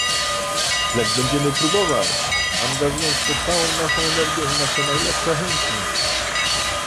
Lecz będziemy próbować, angażując w to całą naszą energię i nasze najlepsze chęci